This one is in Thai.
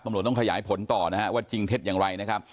ตำรวจต้องขยายผลต่อนะฮะว่าจริงเท็จอย่างไรนะครับ